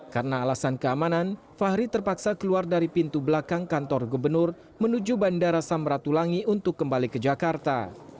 karena alasan keamanan fahri terpaksa keluar dari pintu belakang kantor gubernur menuju bandara samratulangi untuk kembali ke jakarta